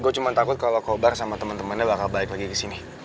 gue cuman takut kalo kobar sama temen temennya bakal balik lagi kesini